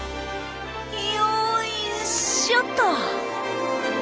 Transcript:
よいしょっと。